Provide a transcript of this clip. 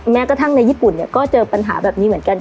แม้กระทั่งในญี่ปุ่นก็เจอปัญหาแบบนี้เหมือนกัน